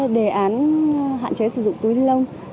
đề án hạn chế sử dụng túi lông